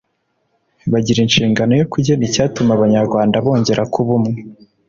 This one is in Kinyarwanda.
bagira inshingano yo kugena icyatuma abanyarwanda bongera kuba umwe